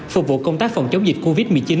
phục vụ công tác phòng chống dịch covid một mươi chín